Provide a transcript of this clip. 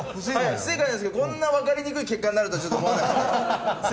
不正解なんですけどこんなわかりにくい結果になると思わなくてすみませんね。